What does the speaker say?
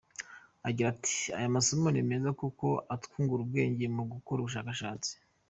Agira ati “Aya masomo ni meza kuko atwungura ubwenge mu gukora ubushakashatsi.